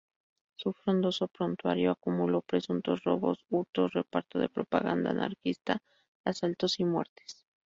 Su frondoso prontuario acumuló presuntos robos, hurtos, reparto de propaganda anarquista, asaltos y muertes.